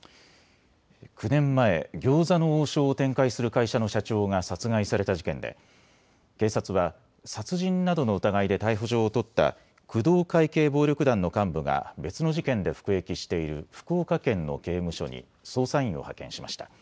９年前、餃子の王将を展開する会社の社長が殺害された事件で警察は殺人などの疑いで逮捕状を取った工藤会系暴力団の幹部が別の事件で服役している福岡県の刑務所に捜査員を派遣しました。